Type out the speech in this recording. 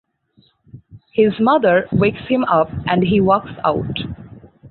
His mother wakes him up and he walks out.